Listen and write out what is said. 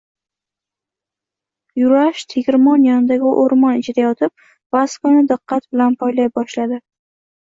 Yurash tegirmon yonidagi oʻrmon ichida yotib, Vaskoni diqqat bilan poylay boshladi.